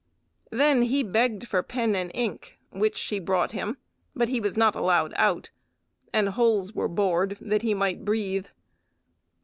Then he begged for pen and ink, which she brought him, but he was not allowed out, and holes were bored that he might breathe.